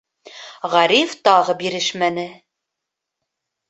Ғариф тағы бирешмәне: